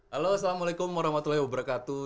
halo assalamualaikum warahmatullahi wabarakatuh